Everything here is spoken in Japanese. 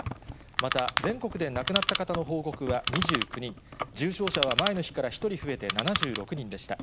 また、全国で亡くなった方の報告は２９人、重症者は前の日から１人増えて７６人でした。